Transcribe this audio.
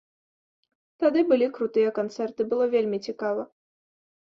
Тады былі крутыя канцэрты, было вельмі цікава.